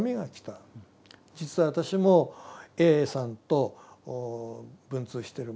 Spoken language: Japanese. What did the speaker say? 「実は私もＡさんと文通してる者だ。